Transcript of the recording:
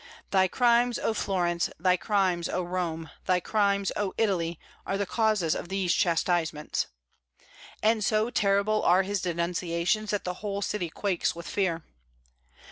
"Thy crimes, O Florence! thy crimes, O Rome! thy crimes, O Italy! are the causes of these chastisements." And so terrible are his denunciations that the whole city quakes with fear.